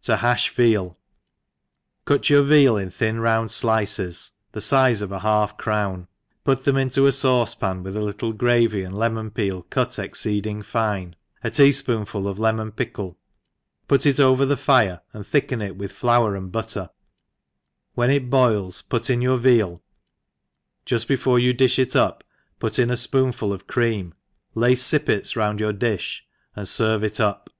7i haJh Veal. CUT your veal in thin round ilices, the fizc of a half crown, put them into a fauce pan, with a little gravy and lemon peel cut exceeding fine, a tea fpoonful of lemon pickle, put it over the fire^and thicken it with flour and butter; when it boils put in your veal, juft before you di£h it up put in a fpoonful of cream, lay fippets round your diih and ferve it up.